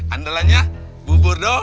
andalanya bubur doang